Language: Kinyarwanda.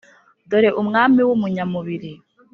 dore umwami w’umunyamubiri.